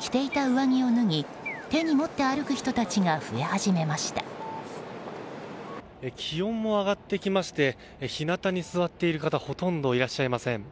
着ていた上着を脱ぎ手に持って歩く人たちが気温も上がってきまして日なたに座っている方ほとんどいらっしゃいません。